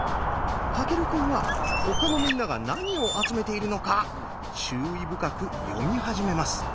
翔くんは他のみんなが何を集めているのか注意深くよみ始めます。